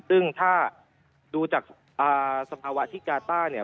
ซึ่งถ้าดูจากสภาวะที่กาต้าเนี่ย